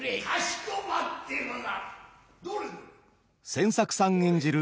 千作さん演じる